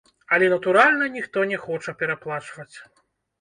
Але, натуральна, ніхто не хоча пераплачваць.